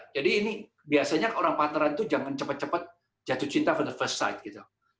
jadi ini biasanya orang partneran itu jangan cepat cepat jatuh cinta pada sisi pertama